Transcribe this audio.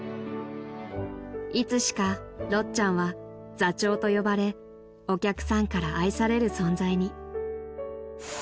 ［いつしかろっちゃんは座長と呼ばれお客さんから愛される存在に］